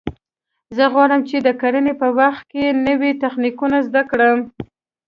زه غواړم چې د کرنې په برخه کې نوي تخنیکونه زده کړم